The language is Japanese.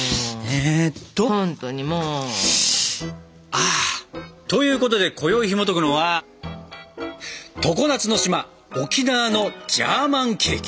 あということでこよいひもとくのは「常夏の島沖縄のジャーマンケーキ」。